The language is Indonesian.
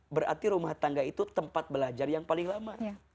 berarti rumah tangga itu tempat belajar yang paling lama